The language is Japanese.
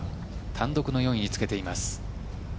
単独の４位につけています。